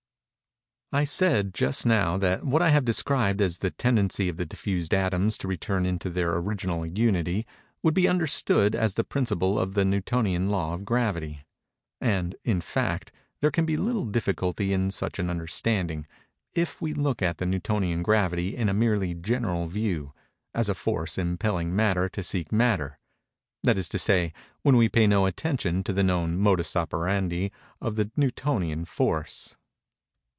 I said, just now, that what I have described as the tendency of the diffused atoms to return into their original unity, would be understood as the principle of the Newtonian law of gravity: and, in fact, there can be little difficulty in such an understanding, if we look at the Newtonian gravity in a merely general view, as a force impelling matter to seek matter; that is to say, when we pay no attention to the known modus operandi of the Newtonian force.